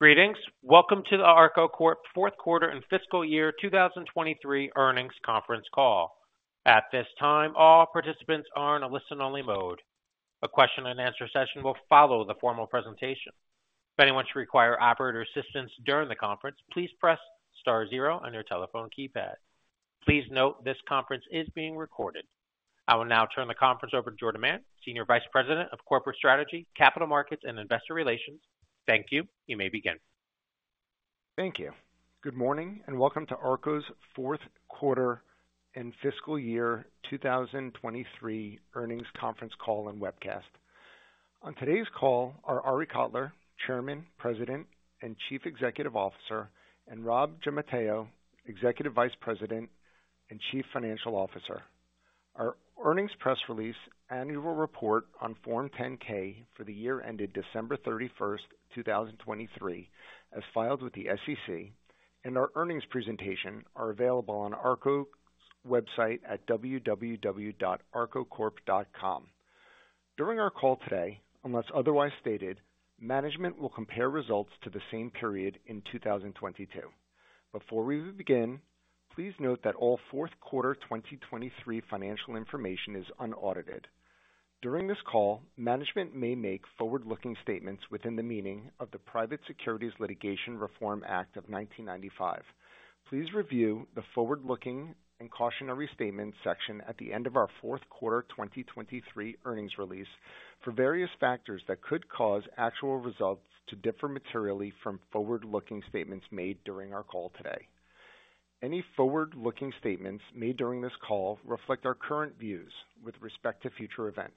Greetings. Welcome to the ARKO Corp. Fourth Quarter and Fiscal Year 2023 Earnings Conference Call. At this time, all participants are in a listen-only mode. A question-and-answer session will follow the formal presentation. If anyone should require operator assistance during the conference, please press *0 on your telephone keypad. Please note this conference is being recorded. I will now turn the conference over to Jordan Mann, Senior Vice President of Corporate Strategy, Capital Markets, and Investor Relations. Thank you. You may begin. Thank you. Good morning and welcome to ARKO's Fourth Quarter and Fiscal Year 2023 Earnings Conference Call and Webcast. On today's call are Arie Kotler, Chairman, President and Chief Executive Officer, and Robb Giammatteo, Executive Vice President and Chief Financial Officer. Our earnings press release, annual report on Form 10-K for the year ended December 31st, 2023, as filed with the SEC, and our earnings presentation are available on ARKO's website at www.arkocorp.com. During our call today, unless otherwise stated, management will compare results to the same period in 2022. Before we begin, please note that all fourth quarter 2023 financial information is unaudited. During this call, management may make forward-looking statements within the meaning of the Private Securities Litigation Reform Act of 1995. Please review the forward-looking and cautionary statements section at the end of our fourth quarter 2023 earnings release for various factors that could cause actual results to differ materially from forward-looking statements made during our call today. Any forward-looking statements made during this call reflect our current views with respect to future events,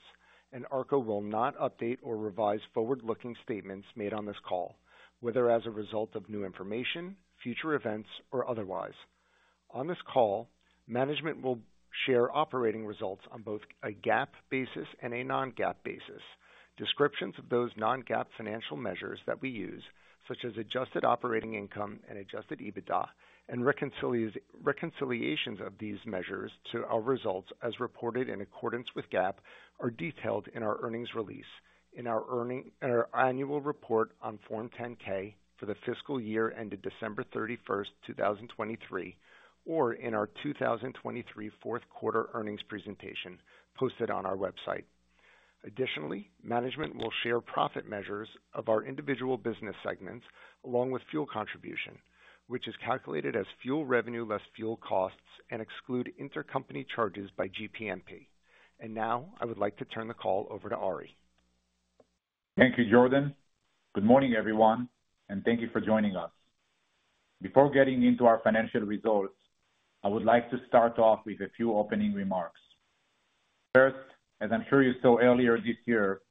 and ARKO will not update or revise forward-looking statements made on this call, whether as a result of new information, future events, or otherwise. On this call, management will share operating results on both a GAAP basis and a non-GAAP basis. Descriptions of those non-GAAP financial measures that we use, such as Adjusted Operating Income and adjusted EBITDA, and reconciliations of these measures to our results as reported in accordance with GAAP are detailed in our earnings release, in our annual report on Form 10-K for the fiscal year ended December 31st, 2023, or in our 2023 fourth quarter earnings presentation posted on our website. Additionally, management will share profit measures of our individual business segments along with fuel contribution, which is calculated as fuel revenue less fuel costs and exclude intercompany charges by GPMP. And now I would like to turn the call over to Arie. Thank you, Jordan. Good morning, everyone, and thank you for joining us. Before getting into our financial results, I would like to start off with a few opening remarks. First, as I'm sure you saw earlier this year,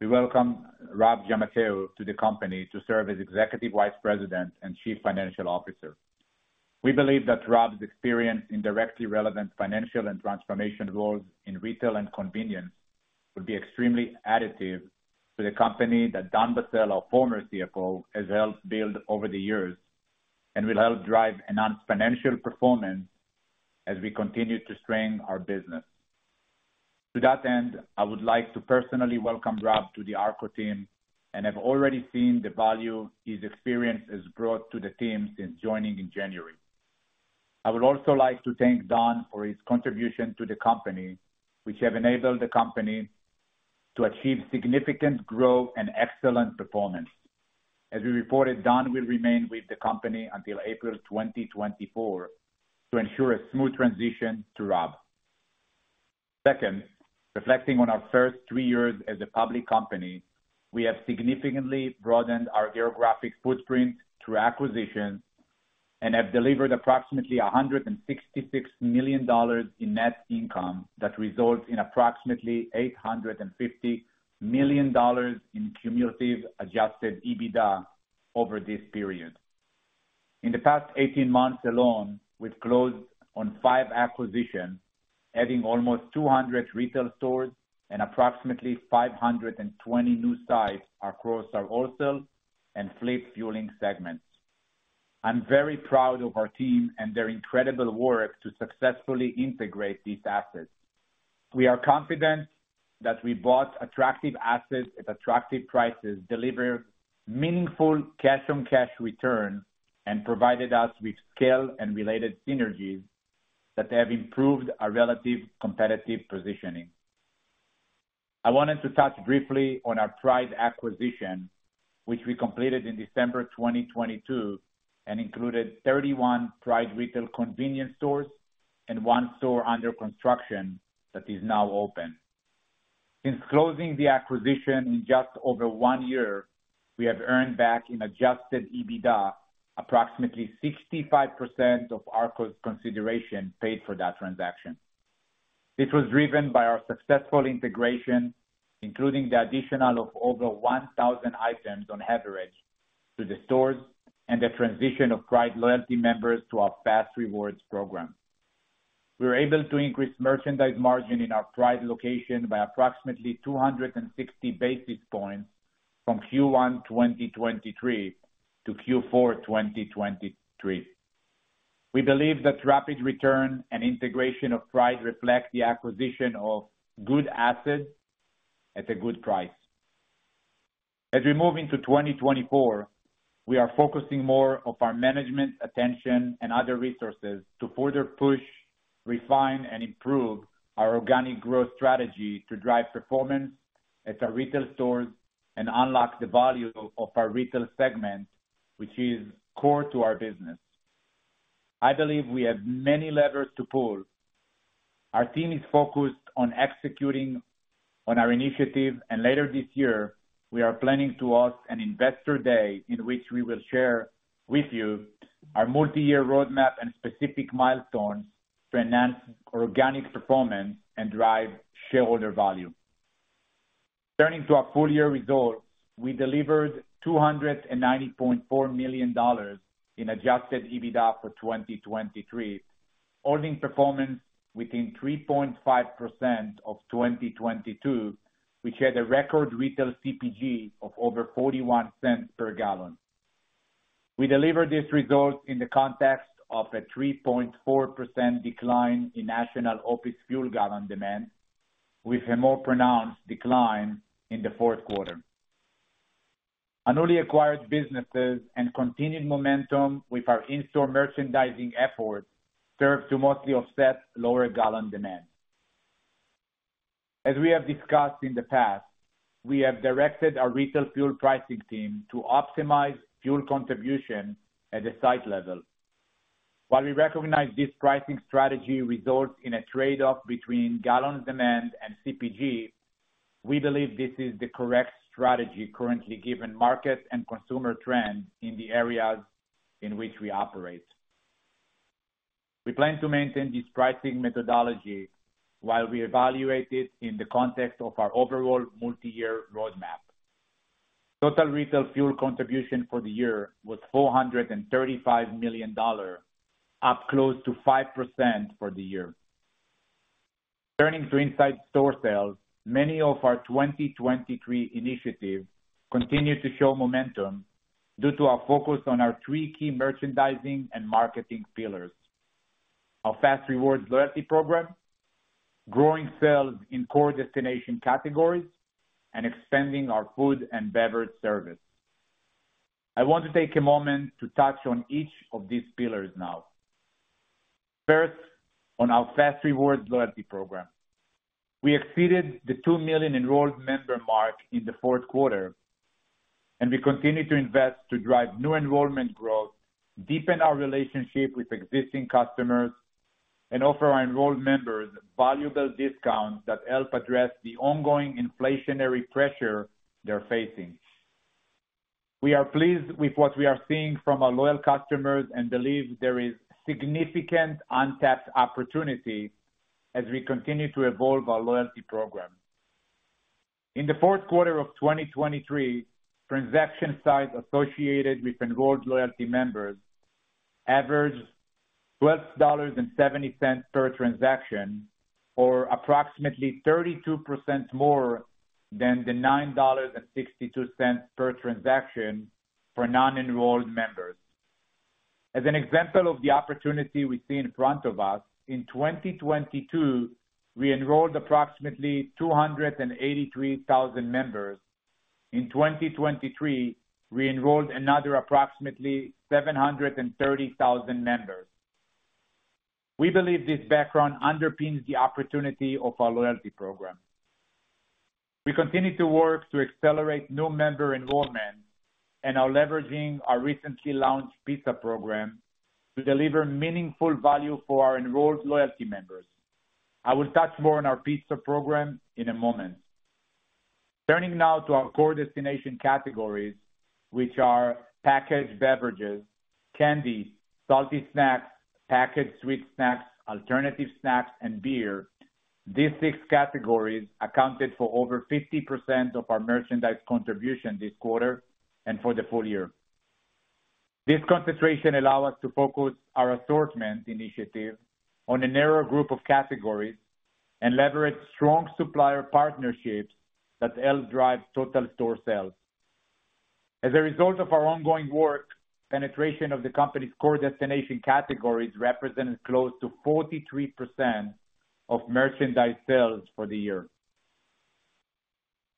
we welcome Robb Giammatteo to the company to serve as Executive Vice President and Chief Financial Officer. We believe that Robb's experience in directly relevant financial and transformation roles in retail and convenience would be extremely additive to the company that Don Bassell, our former CFO, has helped build over the years and will help drive enhanced financial performance as we continue to strengthen our business. To that end, I would like to personally welcome Robb to the ARKO team and have already seen the value his experience has brought to the team since joining in January. I would also like to thank Don for his contribution to the company, which have enabled the company to achieve significant growth and excellent performance. As we reported, Don will remain with the company until April 2024 to ensure a smooth transition to Robb. Second, reflecting on our first three years as a public company, we have significantly broadened our geographic footprint through acquisitions and have delivered approximately $166 million in net income that results in approximately $850 million in cumulative Adjusted EBITDA over this period. In the past 18 months alone, we've closed on five acquisitions, adding almost 200 retail stores and approximately 520 new sites across our wholesale and fleet fueling segments. I'm very proud of our team and their incredible work to successfully integrate these assets. We are confident that we bought attractive assets at attractive prices, delivered meaningful cash-on-cash returns, and provided us with scale and related synergies that have improved our relative competitive positioning. I wanted to touch briefly on our Pride acquisition, which we completed in December 2022 and included 31 Pride retail convenience stores and one store under construction that is now open. Since closing the acquisition in just over one year, we have earned back in Adjusted EBITDA approximately 65% of ARKO's consideration paid for that transaction. This was driven by our successful integration, including the addition of over 1,000 items on average to the stores and the transition of Pride loyalty members to our fas REWARDS program. We were able to increase merchandise margin in our Pride location by approximately 260 basis points from Q1 2023 to Q4 2023. We believe that rapid return and integration of Pride reflect the acquisition of good assets at a good price. As we move into 2024, we are focusing more of our management attention and other resources to further push, refine, and improve our organic growth strategy to drive performance at our retail stores and unlock the value of our retail segment, which is core to our business. I believe we have many levers to pull. Our team is focused on executing on our initiative, and later this year, we are planning to host an Investor Day in which we will share with you our multi-year roadmap and specific milestones to enhance organic performance and drive shareholder value. Turning to our full-year results, we delivered $290.4 million in Adjusted EBITDA for 2023, holding performance within 3.5% of 2022, which had a record retail CPG of over $0.41 per gallon. We delivered these results in the context of a 3.4% decline in national OPIS fuel gallon demand, with a more pronounced decline in the fourth quarter. Only acquired businesses and continued momentum with our in-store merchandising efforts serve to mostly offset lower gallon demand. As we have discussed in the past, we have directed our retail fuel pricing team to optimize fuel contribution at the site level. While we recognize this pricing strategy results in a trade-off between gallon demand and CPG, we believe this is the correct strategy currently given market and consumer trends in the areas in which we operate. We plan to maintain this pricing methodology while we evaluate it in the context of our overall multi-year roadmap. Total retail fuel contribution for the year was $435 million, up close to 5% for the year. Turning to inside store sales, many of our 2023 initiatives continue to show momentum due to our focus on our three key merchandising and marketing pillars: our fas REWARDS loyalty program, growing sales in core destination categories, and expanding our food and beverage service. I want to take a moment to touch on each of these pillars now. First, on our fas REWARDS loyalty program. We exceeded the two million enrolled member mark in the fourth quarter, and we continue to invest to drive new enrollment growth, deepen our relationship with existing customers, and offer our enrolled members valuable discounts that help address the ongoing inflationary pressure they're facing. We are pleased with what we are seeing from our loyal customers and believe there is significant untapped opportunity as we continue to evolve our loyalty program. In the fourth quarter of 2023, transaction size associated with enrolled loyalty members averaged $12.70 per transaction, or approximately 32% more than the $9.62 per transaction for non-enrolled members. As an example of the opportunity we see in front of us, in 2022, we enrolled approximately 283,000 members. In 2023, we enrolled another approximately 730,000 members. We believe this background underpins the opportunity of our loyalty program. We continue to work to accelerate new member enrollment and are leveraging our recently launched pizza program to deliver meaningful value for our enrolled loyalty members. I will touch more on our pizza program in a moment. Turning now to our core destination categories, which are packaged beverages, candies, salty snacks, packaged sweet snacks, alternative snacks, and beer, these six categories accounted for over 50% of our merchandise contribution this quarter and for the full year. This concentration allowed us to focus our assortment initiative on a narrow group of categories and leverage strong supplier partnerships that help drive total store sales. As a result of our ongoing work, penetration of the company's core destination categories represented close to 43% of merchandise sales for the year.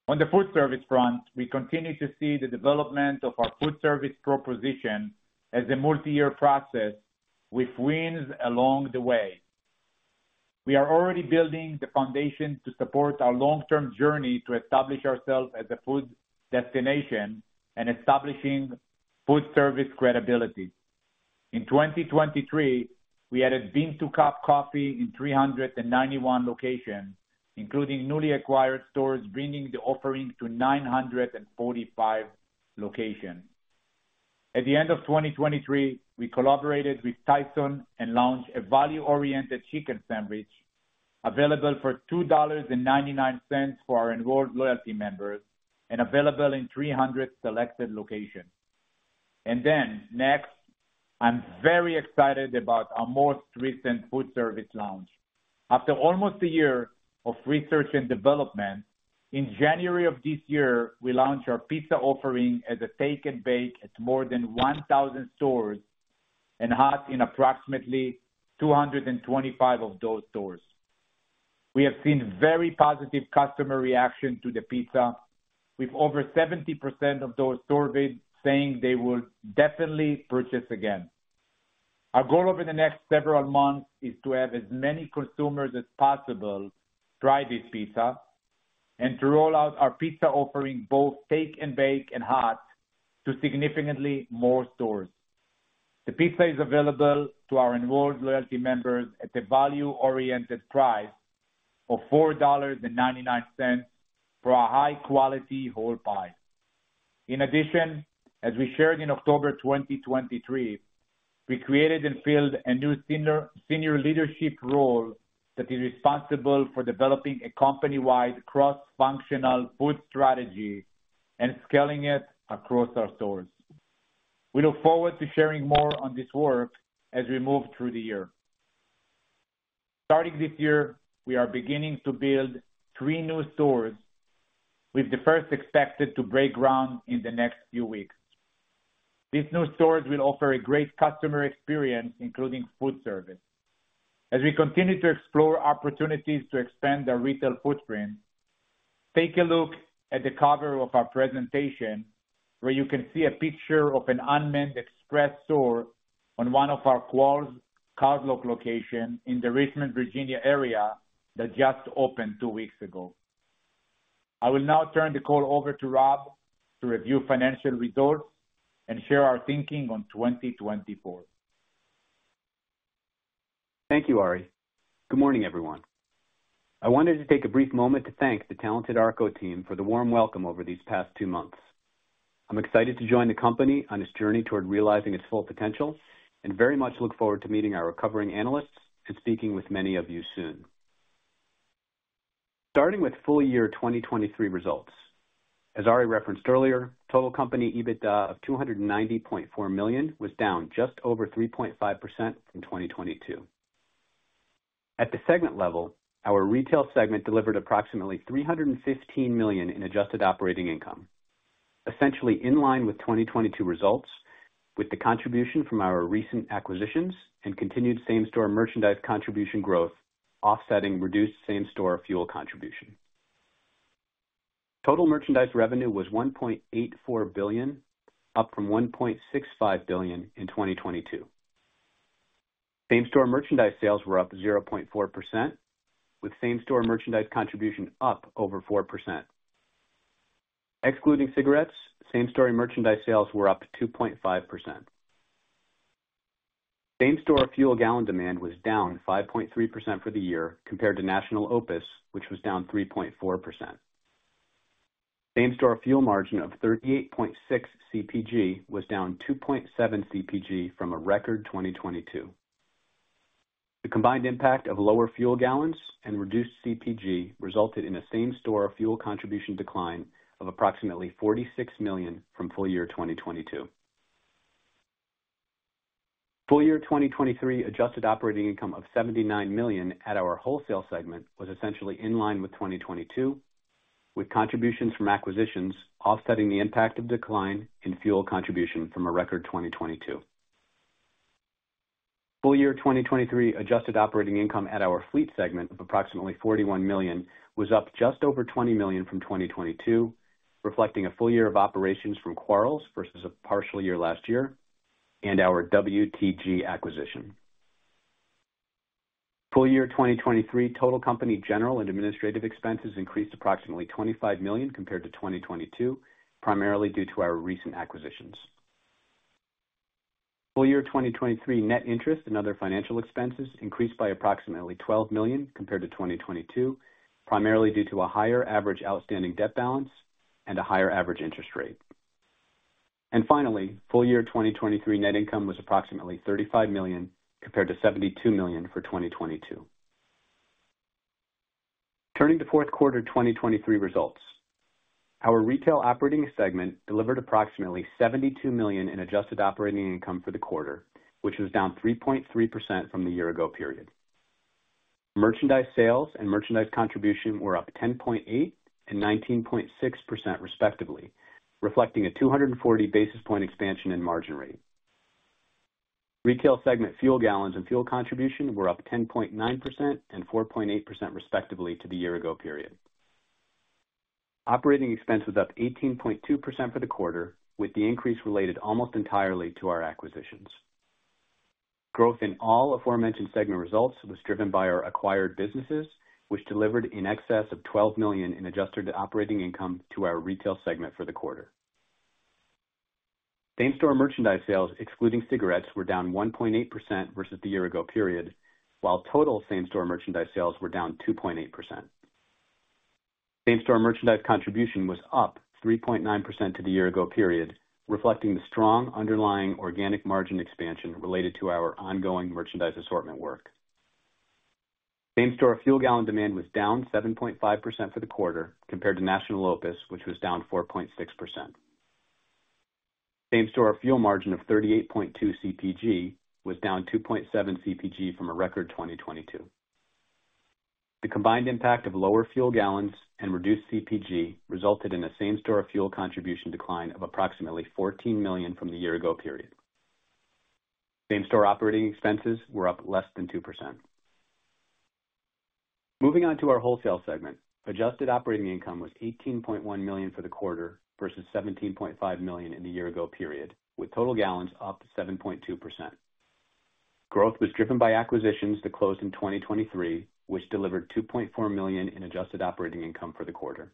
On the food service front, we continue to see the development of our food service proposition as a multi-year process with wins along the way. We are already building the foundation to support our long-term journey to establish ourselves as a food destination and establishing food service credibility. In 2023, we added Bean to Cup coffee in 391 locations, including newly acquired stores bringing the offering to 945 locations. At the end of 2023, we collaborated with Tyson and launched a value-oriented chicken sandwich available for $2.99 for our enrolled loyalty members and available in 300 selected locations. And then, next, I'm very excited about our most recent food service launch. After almost a year of research and development, in January of this year, we launched our pizza offering as a take-and-bake at more than 1,000 stores and hot in approximately 225 of those stores. We have seen very positive customer reaction to the pizza. We have over 70% of those surveyed saying they will definitely purchase again. Our goal over the next several months is to have as many consumers as possible try this pizza and to roll out our pizza offering both take-and-bake and hot to significantly more stores. The pizza is available to our enrolled loyalty members at a value-oriented price of $4.99 for a high-quality whole pie. In addition, as we shared in October 2023, we created and filled a new senior leadership role that is responsible for developing a company-wide cross-functional food strategy and scaling it across our stores. We look forward to sharing more on this work as we move through the year. Starting this year, we are beginning to build three new stores with the first expected to break ground in the next few weeks. These new stores will offer a great customer experience, including food service. As we continue to explore opportunities to expand our retail footprint, take a look at the cover of our presentation where you can see a picture of an unmanned express store on one of our cardlock locations in the Richmond, Virginia area that just opened two weeks ago. I will now turn the call over to Robb to review financial results and share our thinking on 2024. Thank you, Arie. Good morning, everyone. I wanted to take a brief moment to thank the talented ARKO team for the warm welcome over these past two months. I'm excited to join the company on its journey toward realizing its full potential and very much look forward to meeting our covering analysts and speaking with many of you soon. Starting with full-year 2023 results. As Arie referenced earlier, total company EBITDA of $290.4 million was down just over 3.5% from 2022. At the segment level, our retail segment delivered approximately $315 million in adjusted operating income, essentially in line with 2022 results, with the contribution from our recent acquisitions and continued same-store merchandise contribution growth offsetting reduced same-store fuel contribution. Total merchandise revenue was $1.84 billion, up from $1.65 billion in 2022. Same-store merchandise sales were up 0.4%, with same-store merchandise contribution up over 4%. Excluding cigarettes, same-store merchandise sales were up 2.5%. Same-store fuel gallon demand was down 5.3% for the year compared to national OPIS, which was down 3.4%. Same-store fuel margin of 38.6 CPG was down 2.7 CPG from a record 2022. The combined impact of lower fuel gallons and reduced CPG resulted in a same-store fuel contribution decline of approximately $46 million from full-year 2022. Full-year 2023 adjusted operating income of $79 million at our wholesale segment was essentially in line with 2022, with contributions from acquisitions offsetting the impact of decline in fuel contribution from a record 2022. Full-year 2023 Adjusted Operating Income at our fleet segment of approximately $41 million was up just over $20 million from 2022, reflecting a full year of operations from Quarles versus a partial year last year and our WTG acquisition. Full-year 2023 total company general and administrative expenses increased approximately $25 million compared to 2022, primarily due to our recent acquisitions. Full-year 2023 net interest and other financial expenses increased by approximately $12 million compared to 2022, primarily due to a higher average outstanding debt balance and a higher average interest rate. Finally, full-year 2023 net income was approximately $35 million compared to $72 million for 2022. Turning to fourth quarter 2023 results. Our retail operating segment delivered approximately $72 million in Adjusted Operating Income for the quarter, which was down 3.3% from the year-ago period. Merchandise sales and merchandise contribution were up 10.8% and 19.6% respectively, reflecting a 240 basis point expansion in margin rate. Retail segment fuel gallons and fuel contribution were up 10.9% and 4.8% respectively to the year-ago period. Operating expense was up 18.2% for the quarter, with the increase related almost entirely to our acquisitions. Growth in all aforementioned segment results was driven by our acquired businesses, which delivered in excess of $12 million in adjusted operating income to our retail segment for the quarter. Same-store merchandise sales, excluding cigarettes, were down 1.8% versus the year-ago period, while total same-store merchandise sales were down 2.8%. Same-store merchandise contribution was up 3.9% to the year-ago period, reflecting the strong underlying organic margin expansion related to our ongoing merchandise assortment work. Same-store fuel gallon demand was down 7.5% for the quarter compared to national OPIS, which was down 4.6%. Same-store fuel margin of 38.2 CPG was down 2.7 CPG from a record 2022. The combined impact of lower fuel gallons and reduced CPG resulted in a same-store fuel contribution decline of approximately $14 million from the year-ago period. Same-store operating expenses were up less than 2%. Moving on to our wholesale segment, adjusted operating income was $18.1 million for the quarter versus $17.5 million in the year-ago period, with total gallons up 7.2%. Growth was driven by acquisitions that closed in 2023, which delivered $2.4 million in adjusted operating income for the quarter.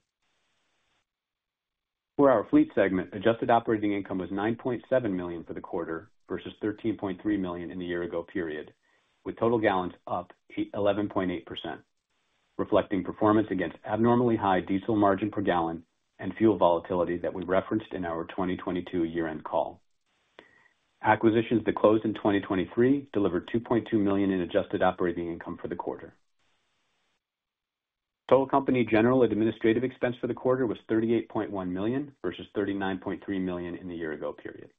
For our fleet segment, adjusted operating income was $9.7 million for the quarter versus $13.3 million in the year-ago period, with total gallons up 11.8%, reflecting performance against abnormally high diesel margin per gallon and fuel volatility that we referenced in our 2022 year-end call. Acquisitions that closed in 2023 delivered $2.2 million in Adjusted Operating Income for the quarter. Total company general administrative expense for the quarter was $38.1 million versus $39.3 million in the year-ago period.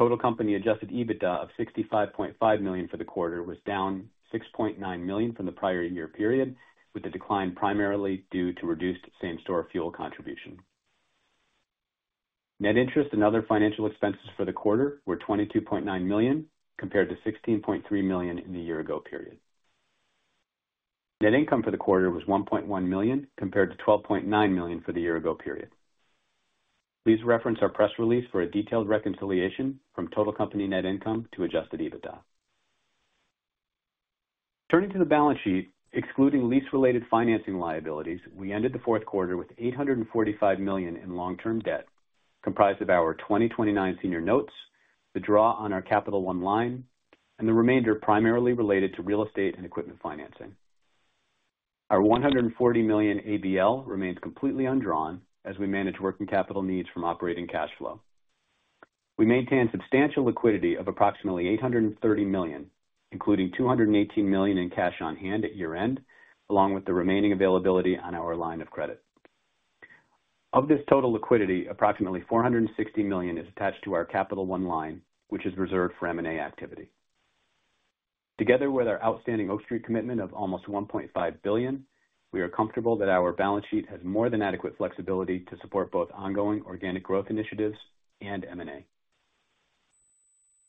Total company Adjusted EBITDA of $65.5 million for the quarter was down $6.9 million from the prior year period, with the decline primarily due to reduced same-store fuel contribution. Net interest and other financial expenses for the quarter were $22.9 million compared to $16.3 million in the year-ago period. Net income for the quarter was $1.1 million compared to $12.9 million for the year-ago period. Please reference our press release for a detailed reconciliation from total company net income to Adjusted EBITDA. Turning to the balance sheet, excluding lease-related financing liabilities, we ended the fourth quarter with $845 million in long-term debt comprised of our 2029 senior notes, the draw on our Capital One line, and the remainder primarily related to real estate and equipment financing. Our $140 million ABL remains completely undrawn as we manage working capital needs from operating cash flow. We maintain substantial liquidity of approximately $830 million, including $218 million in cash on hand at year-end, along with the remaining availability on our line of credit. Of this total liquidity, approximately $460 million is attached to our Capital One Line, which is reserved for M&A activity. Together with our outstanding Oak Street commitment of almost $1.5 billion, we are comfortable that our balance sheet has more than adequate flexibility to support both ongoing organic growth initiatives and M&A.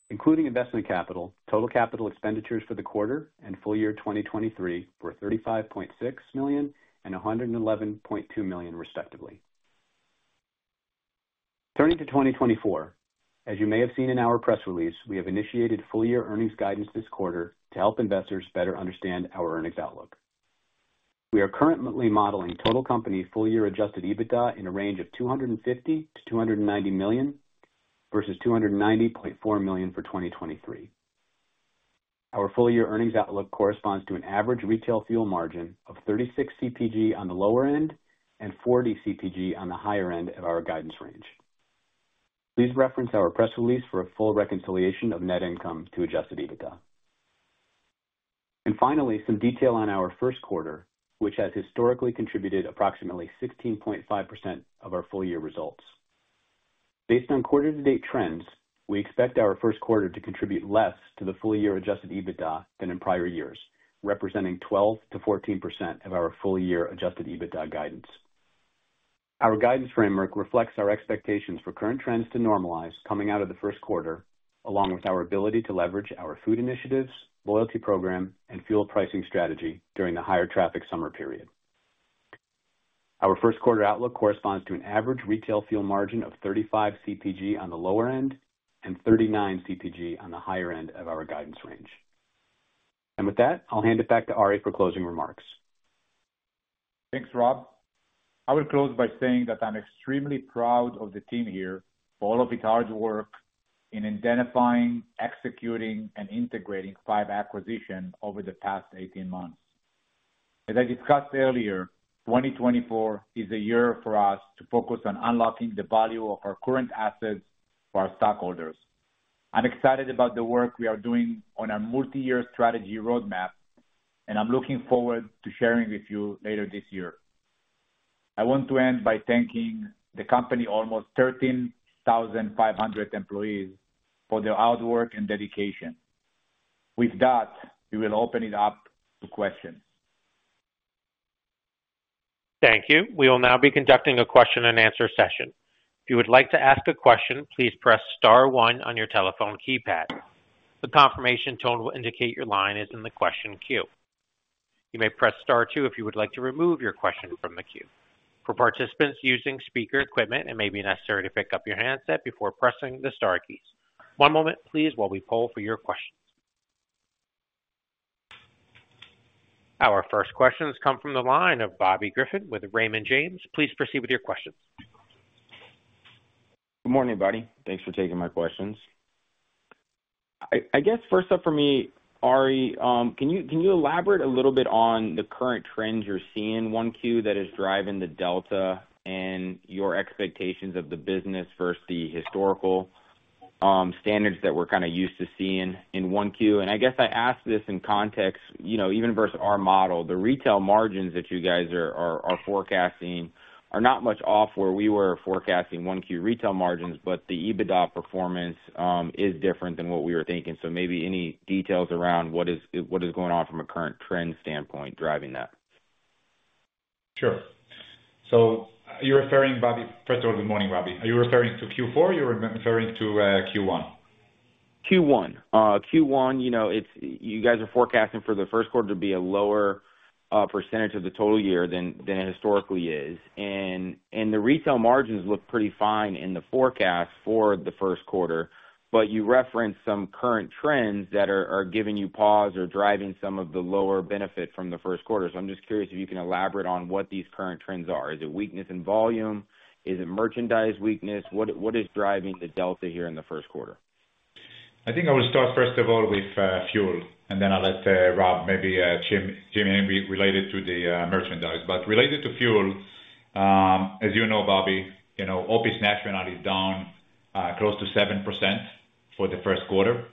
Including investment capital, total capital expenditures for the quarter and full year 2023 were $35.6 million and $111.2 million respectively. Turning to 2024, as you may have seen in our press release, we have initiated full year earnings guidance this quarter to help investors better understand our earnings outlook. We are currently modeling total company full year Adjusted EBITDA in a range of $250-$290 million versus $290.4 million for 2023. Our full year earnings outlook corresponds to an average retail fuel margin of 36 CPG on the lower end and 40 CPG on the higher end of our guidance range. Please reference our press release for a full reconciliation of net income to Adjusted EBITDA. Finally, some detail on our first quarter, which has historically contributed approximately 16.5% of our full year results. Based on quarter-to-date trends, we expect our first quarter to contribute less to the full year adjusted EBITDA than in prior years, representing 12%-14% of our full year adjusted EBITDA guidance. Our guidance framework reflects our expectations for current trends to normalize coming out of the first quarter, along with our ability to leverage our food initiatives, loyalty program, and fuel pricing strategy during the higher traffic summer period. Our first quarter outlook corresponds to an average retail fuel margin of 35-39 CPG on the lower end and higher end of our guidance range. And with that, I'll hand it back to Arie for closing remarks. Thanks, Robb. I would close by saying that I'm extremely proud of the team here for all of its hard work in identifying, executing, and integrating five acquisitions over the past 18 months. As I discussed earlier, 2024 is a year for us to focus on unlocking the value of our current assets for our stockholders. I'm excited about the work we are doing on our multi-year strategy roadmap, and I'm looking forward to sharing with you later this year. I want to end by thanking the company's almost 13,500 employees for their hard work and dedication. With that, we will open it up to questions. Thank you. We will now be conducting a question-and-answer session. If you would like to ask a question, please press star one on your telephone keypad. The confirmation tone will indicate your line is in the question queue. You may press star two if you would like to remove your question from the queue. For participants using speaker equipment, it may be necessary to pick up your handset before pressing the star keys. One moment, please, while we poll for your questions. Our first questions come from the line of Bobby Griffin with Raymond James. Please proceed with your questions. Good morning, everybody. Thanks for taking my questions. I guess first up for me, Arie, can you elaborate a little bit on the current trends you're seeing in 1Q that is driving the delta and your expectations of the business versus the historical standards that we're kind of used to seeing in 1Q? And I guess I ask this in context, even versus our model. The retail margins that you guys are forecasting are not much off where we were forecasting 1Q retail margins, but the EBITDA performance is different than what we were thinking. So maybe any details around what is going on from a current trend standpoint driving that. Sure. So you're referring, Bobby first of all, good morning, Bobby. Are you referring to Q4 or you're referring to Q1? Q1. Q1, you guys are forecasting for the first quarter to be a lower percentage of the total year than it historically is. And the retail margins look pretty fine in the forecast for the first quarter, but you reference some current trends that are giving you pause or driving some of the lower benefit from the first quarter. So I'm just curious if you can elaborate on what these current trends are. Is it weakness in volume? Is it merchandise weakness? What is driving the delta here in the first quarter? I think I would start first of all with fuel, and then I'll let Rob maybe chime in related to the merchandise. But related to fuel, as you know, Bobby, OPIS national is down close to 7% for the first quarter.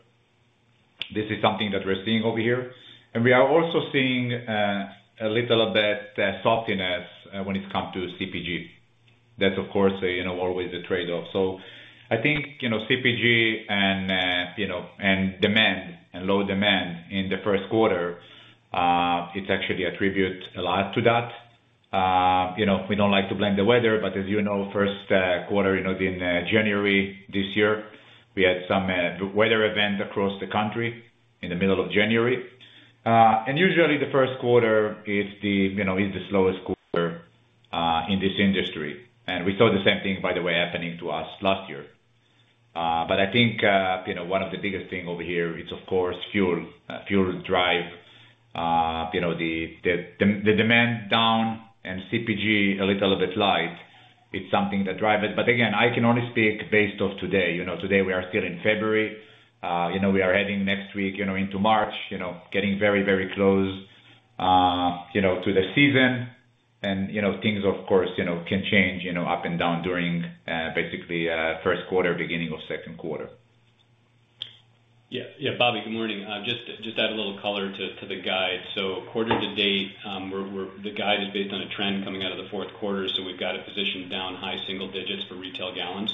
This is something that we're seeing over here. And we are also seeing a little bit of softness when it comes to CPG. That's, of course, always a trade-off. So I think CPG and demand and low demand in the first quarter, it's actually attributed a lot to that. We don't like to blame the weather, but as you know, first quarter in January this year, we had some weather events across the country in the middle of January. And usually, the first quarter is the slowest quarter in this industry. And we saw the same thing, by the way, happening to us last year. But I think one of the biggest things over here, it's, of course, fuel. Fuel drives the demand down and CPG a little bit light. It's something that drives it. But again, I can only speak based on today. Today, we are still in February. We are heading next week into March, getting very, very close to the season. Things, of course, can change up and down during basically first quarter, beginning of second quarter. Yeah. Yeah, Bobby, good morning. Just to add a little color to the guide. So quarter-to-date, the guide is based on a trend coming out of the fourth quarter. So we've got it positioned down high single digits for retail gallons.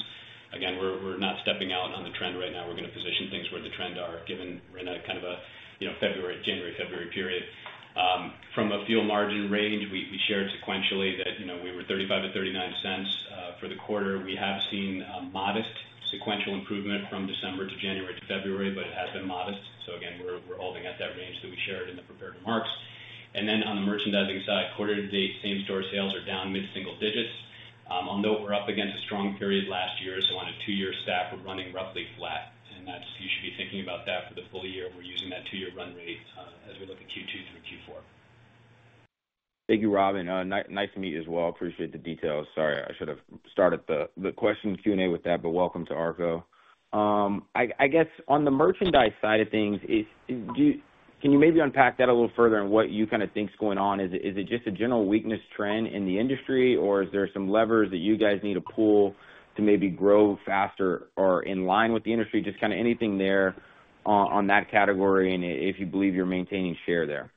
Again, we're not stepping out on the trend right now. We're going to position things where the trends are given we're in kind of a January-February period. From a fuel margin range, we shared sequentially that we were $0.35-$0.39 for the quarter. We have seen modest sequential improvement from December to January to February, but it has been modest. So again, we're holding at that range that we shared in the prepared remarks. On the merchandising side, quarter-to-date, same-store sales are down mid-single digits. I'll note we're up against a strong period last year, so on a two-year stack, we're running roughly flat. You should be thinking about that for the full year. We're using that two-year run rate as we look at Q2 through Q4. Thank you, Robb. Nice to meet you as well. Appreciate the details. Sorry, I should have started the question Q&A with that, but welcome to ARKO. I guess on the merchandise side of things, can you maybe unpack that a little further and what you kind of think's going on? Is it just a general weakness trend in the industry, or is there some levers that you guys need to pull to maybe grow faster or in line with the industry? Just kind of anything there on that category and if you believe you're maintaining share there.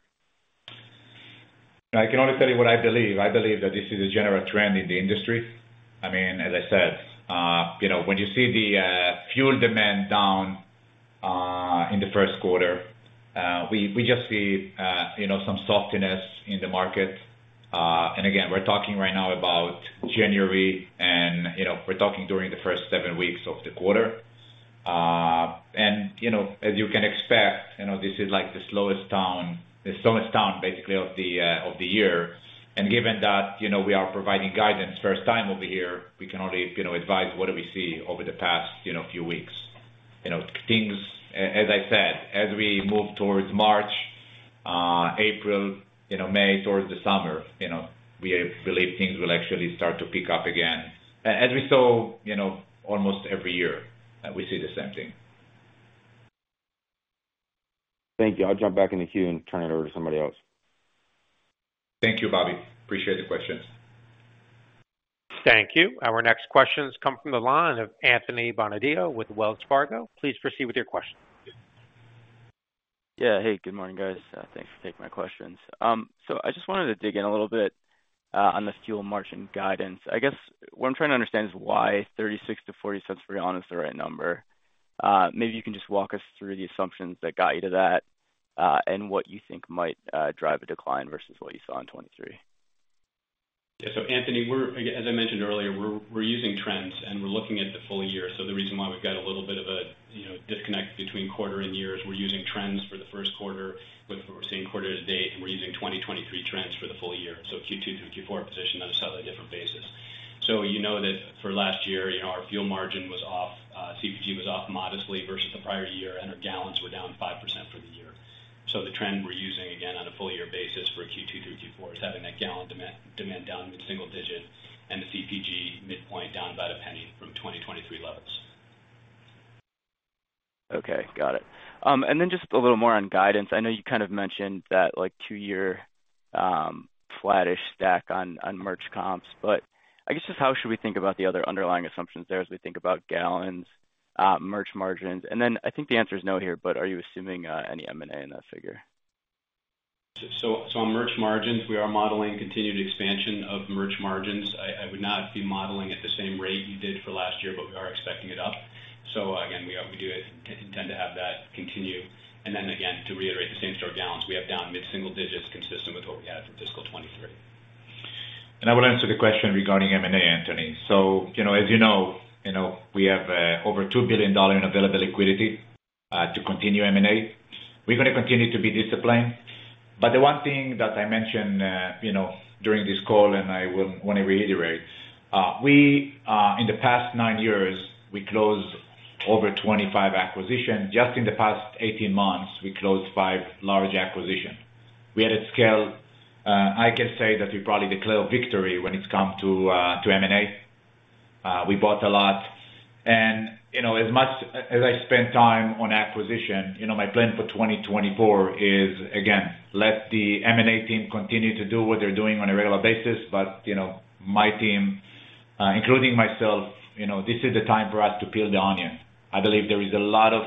I can only tell you what I believe. I believe that this is a general trend in the industry. I mean, as I said, when you see the fuel demand down in the first quarter, we just see some softness in the market. And again, we're talking right now about January, and we're talking during the first seven weeks of the quarter. And as you can expect, this is the slowest time, the slowest time basically of the year. And given that we are providing guidance first time over here, we can only advise what do we see over the past few weeks. As I said, as we move towards March, April, May, towards the summer, we believe things will actually start to pick up again, as we saw almost every year that we see the same thing. Thank you. I'll jump back in the queue and turn it over to somebody else. Thank you, Bobby. Appreciate the questions. Thank you. Our next questions come from the line of Anthony Bonadio with Wells Fargo. Please proceed with your questions. Yeah. Hey, good morning, guys. Thanks for taking my questions. So I just wanted to dig in a little bit on the fuel margin guidance. I guess what I'm trying to understand is why $0.36-$0.40, to be honest, is the right number. Maybe you can just walk us through the assumptions that got you to that and what you think might drive a decline versus what you saw in 2023. Yeah. So Anthony, as I mentioned earlier, we're using trends, and we're looking at the full year. So the reason why we've got a little bit of a disconnect between quarter and years, we're using trends for the first quarter with what we're seeing quarter-to-date, and we're using 2023 trends for the full year. So Q2 through Q4, positioned on a slightly different basis. So you know that for last year, our fuel margin was off, CPG was off modestly versus the prior year, and our gallons were down 5% for the year. So the trend we're using, again, on a full year basis for Q2 through Q4 is having that gallon demand down mid-single digit and the CPG midpoint down about a penny from 2023 levels. Okay. Got it. And then just a little more on guidance. I know you kind of mentioned that two-year flat-ish stack on merch comps, but I guess just how should we think about the other underlying assumptions there as we think about gallons, merch margins? And then I think the answer is no here, but are you assuming any M&A in that figure? So on merch margins, we are modeling continued expansion of merch margins. I would not be modeling at the same rate you did for last year, but we are expecting it up. So again, we intend to have that continue. And then again, to reiterate the same store, gallons, we have down mid-single digits consistent with what we had for fiscal 2023. And I will answer the question regarding M&A, Anthony. So as you know, we have over $2 billion in available liquidity to continue M&A. We're going to continue to be disciplined. But the one thing that I mentioned during this call, and I want to reiterate, in the past nine years, we closed over 25 acquisitions. Just in the past 18 months, we closed five large acquisitions. We had a scale I can say that we probably declare victory when it comes to M&A. We bought a lot. And as much as I spend time on acquisition, my plan for 2024 is, again, let the M&A team continue to do what they're doing on a regular basis. But my team, including myself, this is the time for us to peel the onion. I believe there is a lot of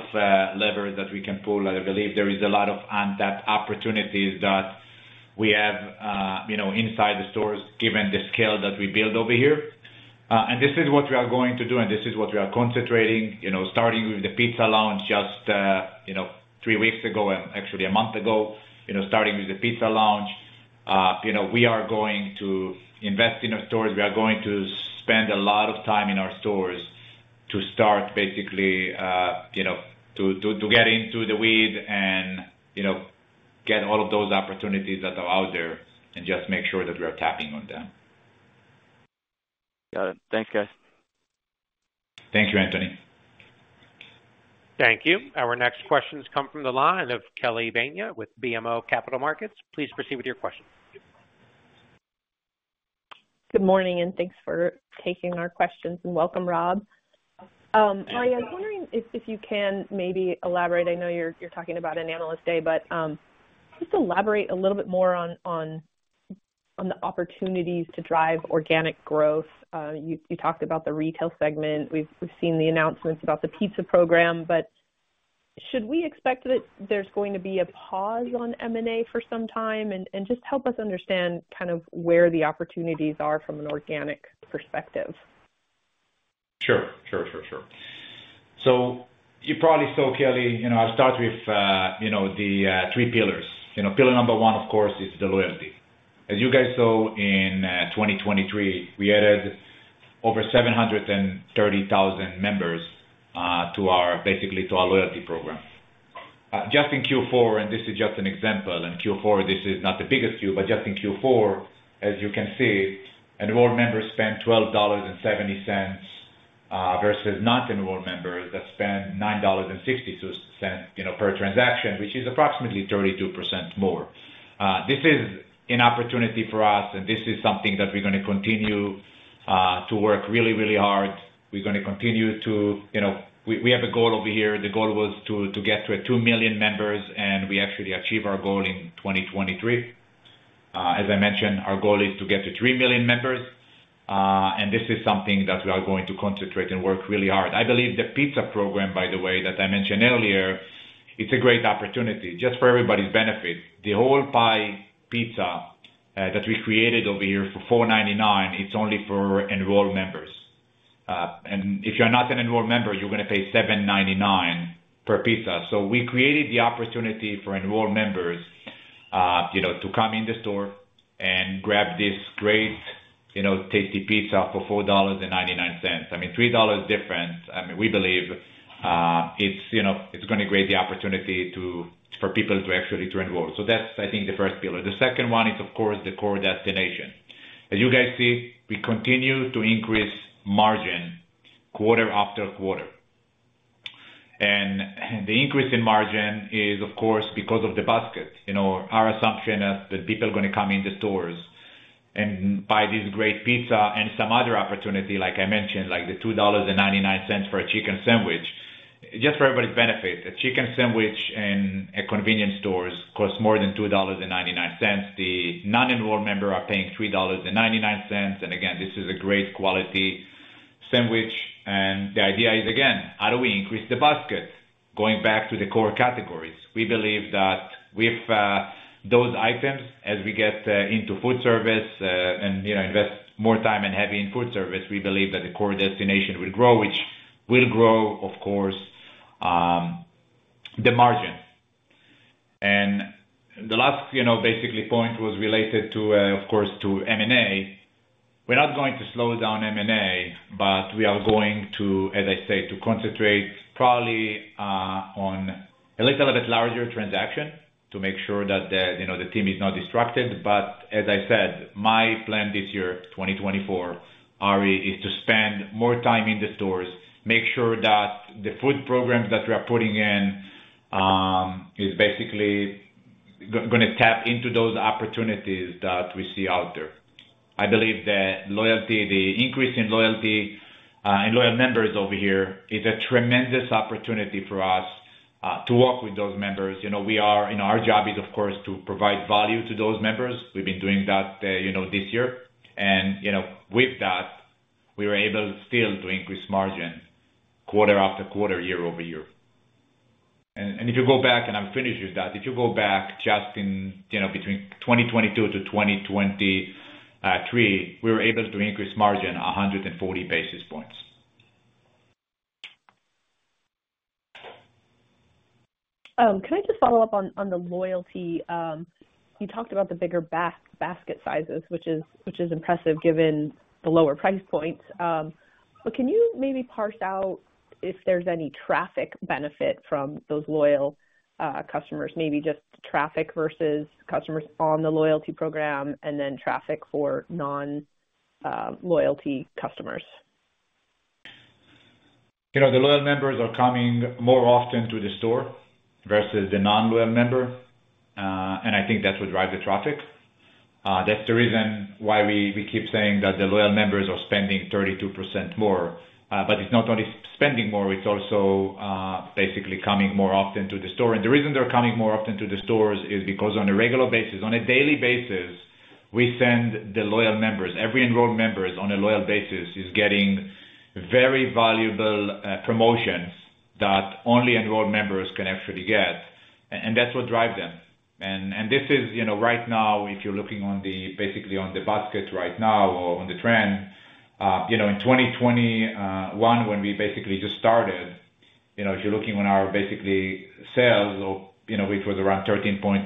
levers that we can pull. I believe there is a lot of untapped opportunities that we have inside the stores given the scale that we build over here. And this is what we are going to do, and this is what we are concentrating, starting with the pizza launch just three weeks ago and actually a month ago, starting with the pizza launch. We are going to invest in our stores. We are going to spend a lot of time in our stores to start basically to get into the weed and get all of those opportunities that are out there and just make sure that we are tapping on them. Got it. Thanks, guys. Thank you, Anthony. Thank you. Our next questions come from the line of Kelly Bania with BMO Capital Markets. Please proceed with your questions. Good morning, and thanks for taking our questions. Welcome, Robb. Arie, I was wondering if you can maybe elaborate. I know you're talking about an analyst day, but just elaborate a little bit more on the opportunities to drive organic growth. You talked about the retail segment. We've seen the announcements about the pizza program, but should we expect that there's going to be a pause on M&A for some time? And just help us understand kind of where the opportunities are from an organic perspective. Sure. Sure, sure, sure. So you probably saw, Kelly, I start with the three pillars. Pillar number one, of course, is the loyalty. As you guys saw in 2023, we added over 730,000 members basically to our loyalty program. Just in Q4, and this is just an example, in Q4, this is not the biggest Q, but just in Q4, as you can see, enrolled members spend $12.70 versus non-enrolled members that spend $9.60 per transaction, which is approximately 32% more. This is an opportunity for us, and this is something that we're going to continue to work really, really hard. We're going to continue to we have a goal over here. The goal was to get to two million members, and we actually achieved our goal in 2023. As I mentioned, our goal is to get to three million members. This is something that we are going to concentrate and work really hard. I believe the pizza program, by the way, that I mentioned earlier, it's a great opportunity just for everybody's benefit. The whole pie pizza that we created over here for $4.99, it's only for enrolled members. If you're not an enrolled member, you're going to pay $7.99 per pizza. So we created the opportunity for enrolled members to come in the store and grab this great, tasty pizza for $4.99. I mean, $3 difference, I mean, we believe it's going to create the opportunity for people to actually enroll. So that's, I think, the first pillar. The second one is, of course, the core destination. As you guys see, we continue to increase margin quarter after quarter. And the increase in margin is, of course, because of the basket. Our assumption is that people are going to come in the stores and buy this great pizza and some other opportunity, like I mentioned, like the $2.99 for a chicken sandwich, just for everybody's benefit. A chicken sandwich in convenience stores costs more than $2.99. The non-enrolled members are paying $3.99. And again, this is a great quality sandwich. And the idea is, again, how do we increase the basket? Going back to the core categories, we believe that with those items, as we get into food service and invest more time and heavy in food service, we believe that the core destination will grow, which will grow, of course, the margin. The last basically point was related, of course, to M&A. We're not going to slow down M&A, but we are going to, as I say, to concentrate probably on a little bit larger transaction to make sure that the team is not distracted. But as I said, my plan this year, 2024, Arie, is to spend more time in the stores, make sure that the food program that we are putting in is basically going to tap into those opportunities that we see out there. I believe that increase in loyalty and loyal members over here is a tremendous opportunity for us to work with those members. Our job is, of course, to provide value to those members. We've been doing that this year. With that, we were able still to increase margin quarter after quarter, year-over-year. If you go back and I'll finish with that. If you go back just between 2022 to 2023, we were able to increase margin 140 basis points. Can I just follow up on the loyalty? You talked about the bigger basket sizes, which is impressive given the lower price points. But can you maybe parse out if there's any traffic benefit from those loyal customers, maybe just traffic versus customers on the loyalty program and then traffic for non-loyalty customers? The loyal members are coming more often to the store versus the non-loyal member, and I think that's what drives the traffic. That's the reason why we keep saying that the loyal members are spending 32% more. But it's not only spending more. It's also basically coming more often to the store. And the reason they're coming more often to the stores is because on a regular basis, on a daily basis, we send the loyal members. Every enrolled member is on a loyal basis is getting very valuable promotions that only enrolled members can actually get, and that's what drives them. And this is right now, if you're looking basically on the basket right now or on the trend, in 2021, when we basically just started, if you're looking on our basically sales, which was around 13.9%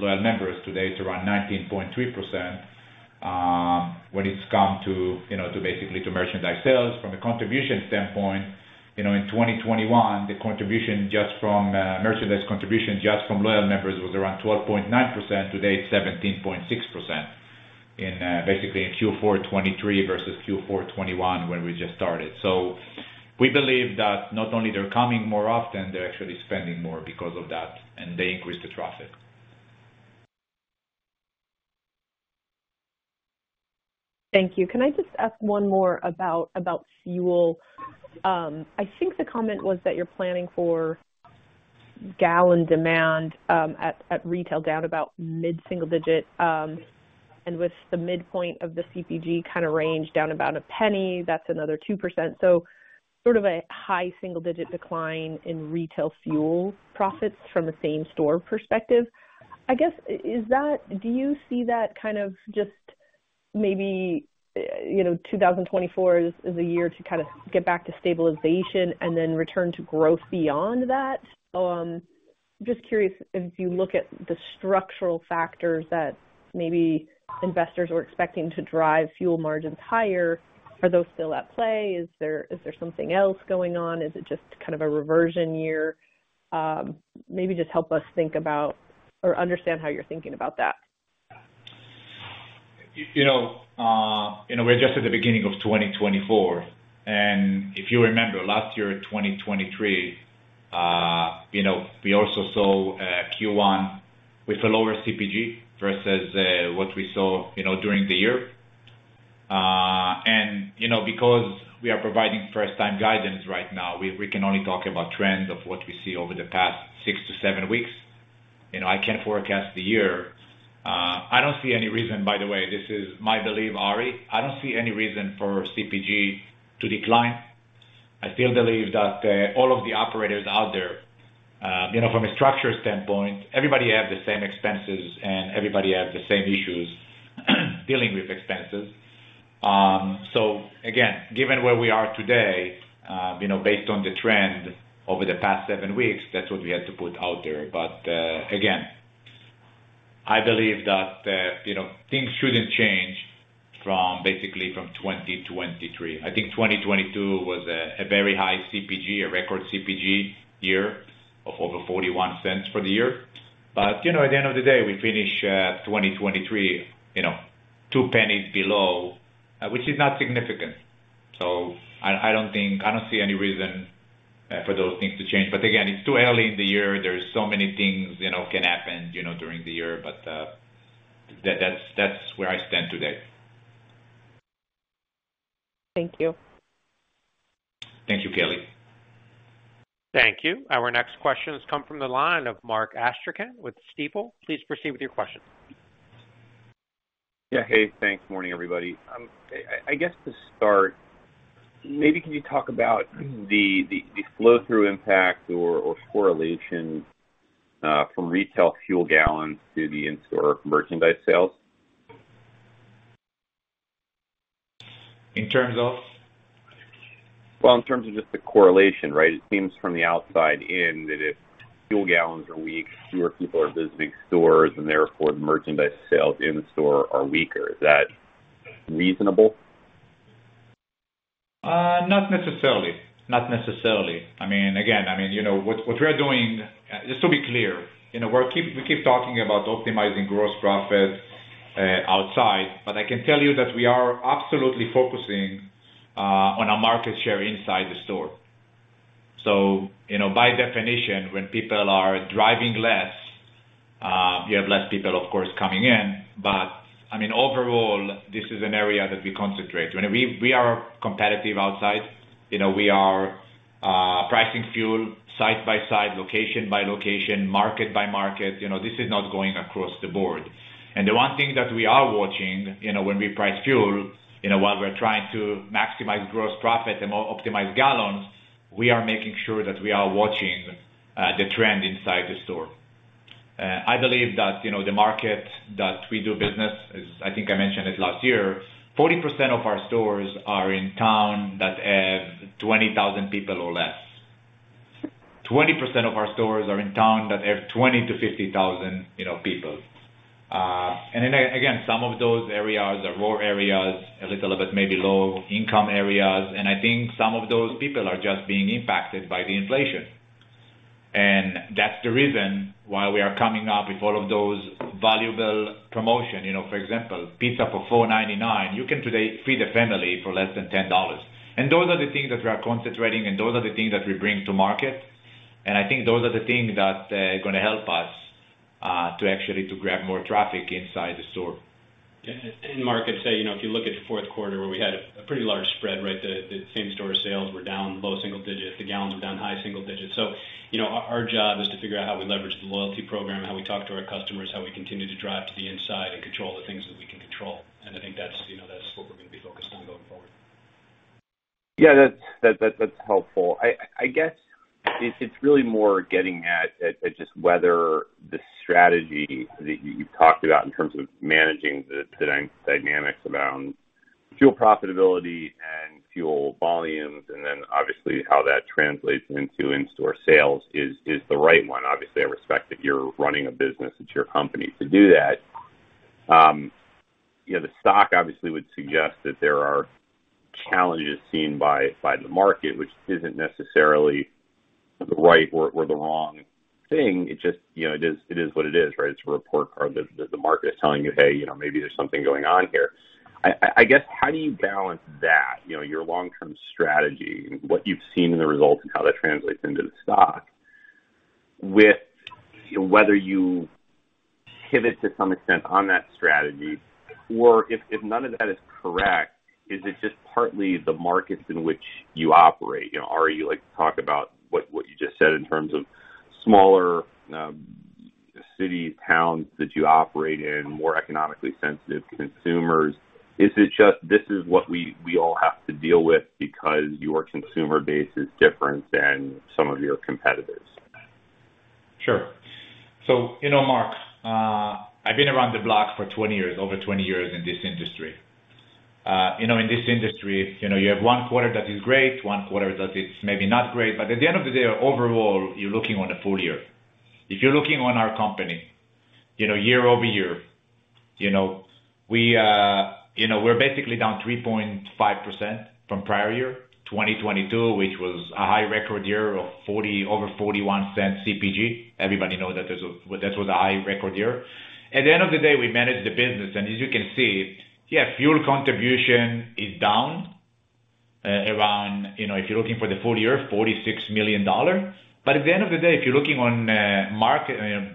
loyal members, today it's around 19.3% when it's come to basically merchandise sales. From a contribution standpoint, in 2021, the merchandise contribution just from loyal members was around 12.9%. Today, it's 17.6% basically in Q4 2023 versus Q4 2021 when we just started. So we believe that not only they're coming more often, they're actually spending more because of that, and they increase the traffic. Thank you. Can I just ask one more about fuel? I think the comment was that you're planning for gallon demand at retail down about mid-single digit. And with the midpoint of the CPG kind of range down about a penny, that's another 2%. So sort of a high single-digit decline in retail fuel profits from the same store perspective. I guess, do you see that kind of just maybe 2024 is a year to kind of get back to stabilization and then return to growth beyond that? I'm just curious, if you look at the structural factors that maybe investors were expecting to drive fuel margins higher, are those still at play? Is there something else going on? Is it just kind of a reversion year? Maybe just help us think about or understand how you're thinking about that. We're just at the beginning of 2024. If you remember, last year, 2023, we also saw Q1 with a lower CPG versus what we saw during the year. Because we are providing first-time guidance right now, we can only talk about trends of what we see over the past six to seven weeks. I can't forecast the year. I don't see any reason, by the way, this is my belief, Arie. I don't see any reason for CPG to decline. I still believe that all of the operators out there, from a structural standpoint, everybody have the same expenses, and everybody have the same issues dealing with expenses. So again, given where we are today, based on the trend over the past seven weeks, that's what we had to put out there. But again, I believe that things shouldn't change basically from 2023. I think 2022 was a very high CPG, a record CPG year of over $0.41 for the year. But at the end of the day, we finish 2023 $0.02 below, which is not significant. So I don't see any reason for those things to change. But again, it's too early in the year. There's so many things can happen during the year, but that's where I stand today. Thank you. Thank you, Kelly. Thank you. Our next questions come from the line of Mark Astrachan with Stifel. Please proceed with your question. Yeah. Hey. Thanks. Morning, everybody. I guess to start, maybe can you talk about the flow-through impact or correlation from retail fuel gallons to the in-store merchandise sales? In terms of? Well, in terms of just the correlation, right? It seems from the outside in that if fuel gallons are weak, fewer people are visiting stores, and therefore, the merchandise sales in-store are weaker. Is that reasonable? Not necessarily. Not necessarily. I mean, again, I mean, what we are doing just to be clear, we keep talking about optimizing gross profit outside. But I can tell you that we are absolutely focusing on our market share inside the store. So by definition, when people are driving less, you have less people, of course, coming in. But I mean, overall, this is an area that we concentrate. I mean, we are competitive outside. We are pricing fuel side by side, location by location, market by market. This is not going across the board. The one thing that we are watching when we price fuel, while we're trying to maximize gross profit and optimize gallons, we are making sure that we are watching the trend inside the store. I believe that the market that we do business is, I think I mentioned it last year, 40% of our stores are in town that have 20,000 people or less. 20% of our stores are in town that have 20,000-50,000 people. And again, some of those areas are rural areas, a little bit maybe low-income areas. And I think some of those people are just being impacted by the inflation. And that's the reason why we are coming up with all of those valuable promotions. For example, pizza for $4.99. You can today feed a family for less than $10. Those are the things that we are concentrating, and those are the things that we bring to market. I think those are the things that are going to help us to actually grab more traffic inside the store. Yeah. Mark had said if you look at the fourth quarter where we had a pretty large spread, right, the same-store sales were down low single digits. The gallons were down high single digits. Our job is to figure out how we leverage the loyalty program, how we talk to our customers, how we continue to drive to the inside and control the things that we can control. I think that's what we're going to be focused on going forward. Yeah. That's helpful. I guess it's really more getting at just whether the strategy that you've talked about in terms of managing the dynamics around fuel profitability and fuel volumes and then obviously how that translates into in-store sales is the right one. Obviously, I respect that you're running a business. It's your company to do that. The stock obviously would suggest that there are challenges seen by the market, which isn't necessarily the right or the wrong thing. It is what it is, right? It's a report card that the market is telling you, "Hey, maybe there's something going on here." I guess how do you balance that, your long-term strategy and what you've seen in the results and how that translates into the stock with whether you pivot to some extent on that strategy? Or if none of that is correct, is it just partly the markets in which you operate? Arie, you like to talk about what you just said in terms of smaller cities, towns that you operate in, more economically sensitive consumers. Is it just, "This is what we all have to deal with because your consumer base is different than some of your competitors"? Sure. So Mark, I've been around the block for 20 years, over 20 years in this industry. In this industry, you have one quarter that is great, one quarter that it's maybe not great. But at the end of the day, overall, you're looking on a full year. If you're looking on our company year-over-year, we're basically down 3.5% from prior year, 2022, which was a high-record year of over $0.41 CPG. Everybody knows that that was a high-record year. At the end of the day, we manage the business. As you can see, yeah, fuel contribution is down around if you're looking for the full year, $46 million. But at the end of the day, if you're looking on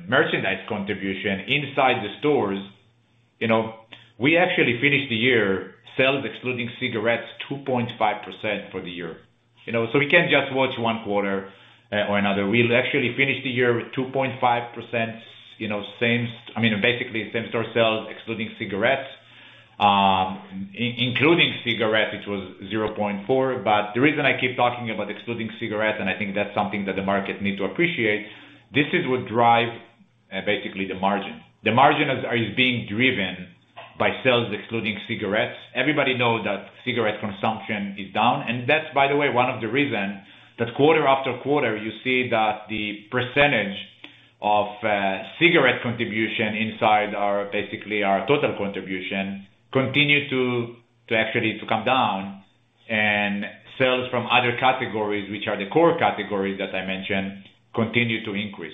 merchandise contribution inside the stores, we actually finish the year, sales excluding cigarettes, 2.5% for the year. We can't just watch one quarter or another. We'll actually finish the year with 2.5% same I mean, basically same-store sales excluding cigarettes. Including cigarettes, it was 0.4%. But the reason I keep talking about excluding cigarettes, and I think that's something that the market need to appreciate, this is what drives basically the margin. The margin is being driven by sales excluding cigarettes. Everybody knows that cigarette consumption is down. And that's, by the way, one of the reasons that quarter after quarter, you see that the percentage of cigarette contribution inside basically our total contribution continue to actually come down, and sales from other categories, which are the core categories that I mentioned, continue to increase.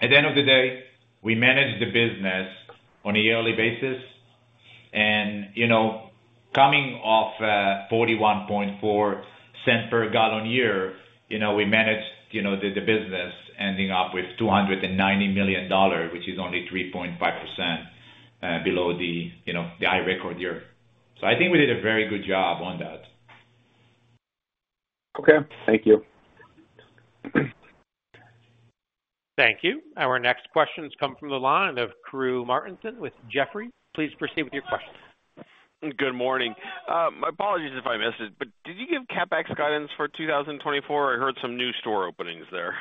At the end of the day, we manage the business on a yearly basis. Coming off $0.414 per gallon year, we managed the business ending up with $290 million, which is only 3.5% below the high-record year. So I think we did a very good job on that. Okay. Thank you. Thank you. Our next questions come from the line of Karru Martinson with Jefferies. Please proceed with your questions. Good morning. My apologies if I missed it, but did you give CapEx guidance for 2024? I heard some new store openings there.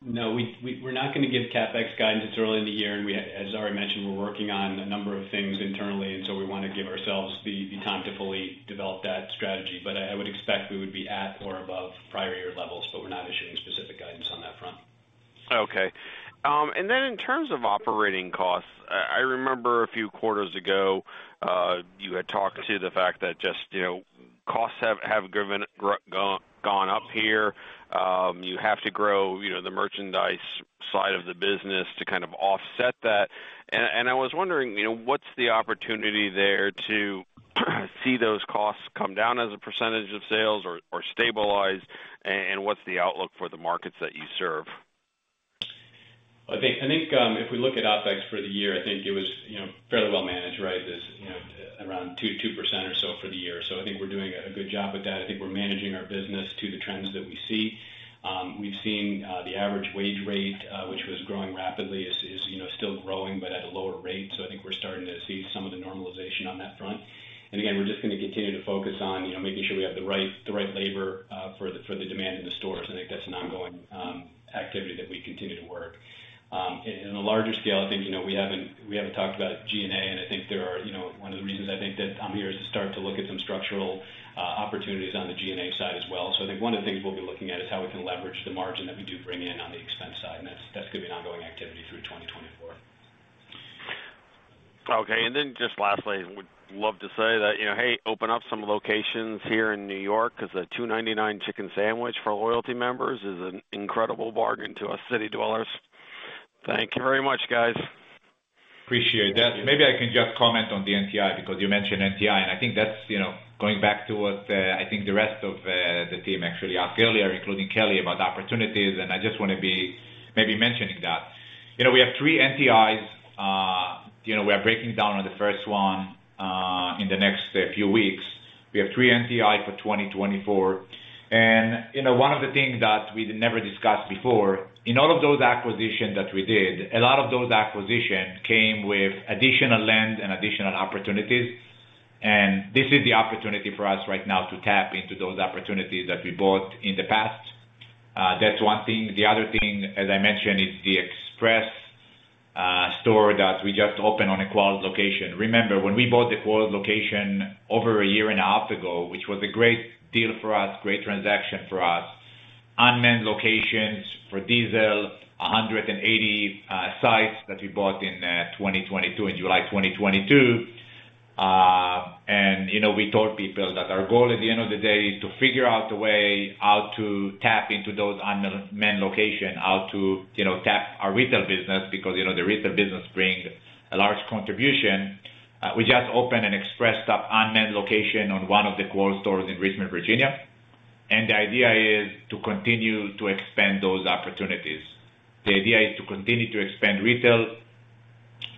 No. We're not going to give CapEx guidance. It's early in the year. As Arie mentioned, we're working on a number of things internally, and so we want to give ourselves the time to fully develop that strategy. I would expect we would be at or above prior year levels, but we're not issuing specific guidance on that front. Okay. Then in terms of operating costs, I remember a few quarters ago, you had talked to the fact that just costs have gone up here. You have to grow the merchandise side of the business to kind of offset that. I was wondering, what's the opportunity there to see those costs come down as a percentage of sales or stabilize? And what's the outlook for the markets that you serve? I think if we look at OpEx for the year, I think it was fairly well managed, right, around 2% or so for the year. So I think we're doing a good job with that. I think we're managing our business to the trends that we see. We've seen the average wage rate, which was growing rapidly, is still growing but at a lower rate. So I think we're starting to see some of the normalization on that front. And again, we're just going to continue to focus on making sure we have the right labor for the demand in the stores. I think that's an ongoing activity that we continue to work. And on a larger scale, I think we haven't talked about G&A. I think one of the reasons I think that I'm here is to start to look at some structural opportunities on the G&A side as well. I think one of the things we'll be looking at is how we can leverage the margin that we do bring in on the expense side. That's going to be an ongoing activity through 2024. Okay. Then just lastly, I would love to say that, "Hey, open up some locations here in New York because a $2.99 chicken sandwich for loyalty members is an incredible bargain to us city dwellers." Thank you very much, guys. Appreciate that. Maybe I can just comment on the NTI because you mentioned NTI. I think that's going back to what I think the rest of the team actually asked earlier, including Kelly, about opportunities. I just want to be maybe mentioning that. We have three NTIs. We are breaking ground on the first one in the next few weeks. We have three NTI for 2024. One of the things that we never discussed before, in all of those acquisitions that we did, a lot of those acquisitions came with additional land and additional opportunities. This is the opportunity for us right now to tap into those opportunities that we bought in the past. That's one thing. The other thing, as I mentioned, is the Express store that we just opened on a Quarles location. Remember, when we bought the Quarles location over a year and a half ago, which was a great deal for us, great transaction for us, unmanned locations for diesel, 180 sites that we bought in July 2022. We told people that our goal at the end of the day is to figure out a way how to tap into those unmanned locations, how to tap our retail business because the retail business brings a large contribution. We just opened an Express Stop unmanned location on one of the Quarles stores in Richmond, Virginia. The idea is to continue to expand those opportunities. The idea is to continue to expand retail,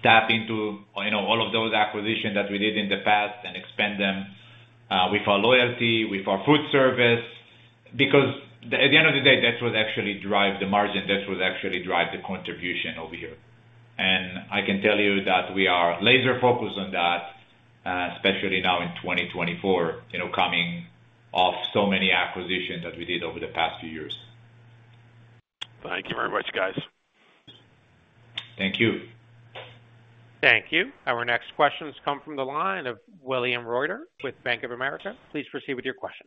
tap into all of those acquisitions that we did in the past, and expand them with our loyalty, with our food service because at the end of the day, that's what actually drives the margin. That's what actually drives the contribution over here. I can tell you that we are laser-focused on that, especially now in 2024, coming off so many acquisitions that we did over the past few years. Thank you very much, guys. Thank you. Thank you. Our next questions come from the line of William Reuter with Bank of America. Please proceed with your question.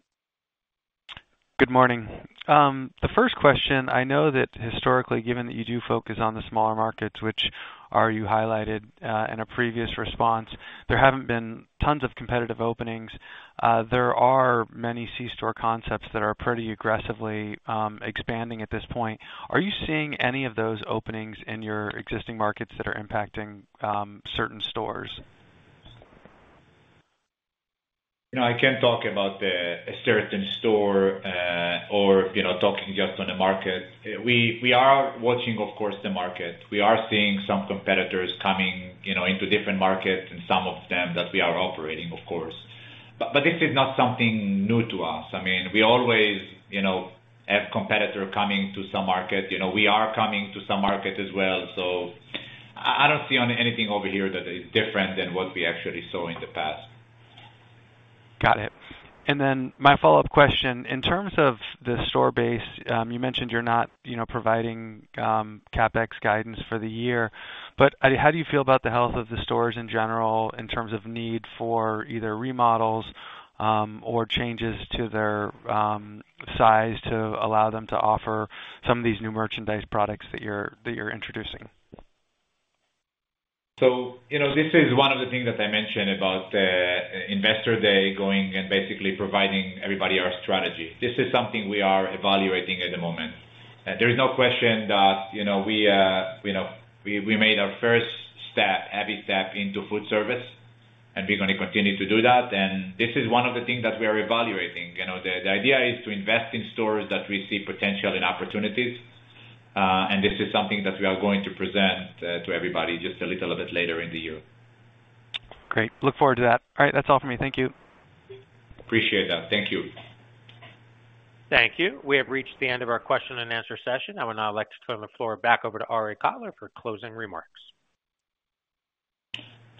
Good morning. The first question, I know that historically, given that you do focus on the smaller markets, which Arie highlighted in a previous response, there haven't been tons of competitive openings. There are many C-store concepts that are pretty aggressively expanding at this point. Are you seeing any of those openings in your existing markets that are impacting certain stores? I can't talk about a certain store or talking just on the market. We are watching, of course, the market. We are seeing some competitors coming into different markets and some of them that we are operating, of course. But this is not something new to us. I mean, we always have competitors coming to some market. We are coming to some market as well. So I don't see anything over here that is different than what we actually saw in the past. Got it. And then my follow-up question, in terms of the store base, you mentioned you're not providing CapEx guidance for the year. But how do you feel about the health of the stores in general in terms of need for either remodels or changes to their size to allow them to offer some of these new merchandise products that you're introducing? So this is one of the things that I mentioned about Investor Day going and basically providing everybody our strategy. This is something we are evaluating at the moment. There is no question that we made our first step, heavy step, into food service, and we're going to continue to do that. This is one of the things that we are evaluating. The idea is to invest in stores that we see potential in opportunities. And this is something that we are going to present to everybody just a little bit later in the year. Great. Look forward to that. All right. That's all from me. Thank you. Appreciate that. Thank you. Thank you. We have reached the end of our question-and-answer session. I would now like to turn the floor back over to Arie Kotler for closing remarks.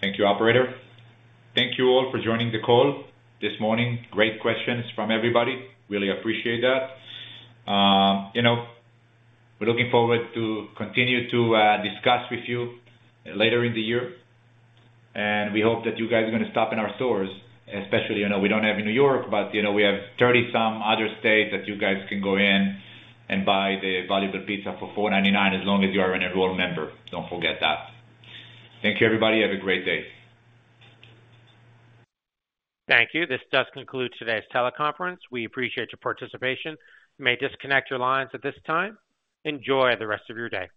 Thank you, operator. Thank you all for joining the call this morning. Great questions from everybody. Really appreciate that. We're looking forward to continue to discuss with you later in the year. We hope that you guys are going to stop in our stores, especially we don't have in New York, but we have 30-some other states that you guys can go in and buy the valuable pizza for $4.99 as long as you are an enrolled member. Don't forget that. Thank you, everybody. Have a great day. Thank you. This does conclude today's teleconference. We appreciate your participation. You may disconnect your lines at this time. Enjoy the rest of your day.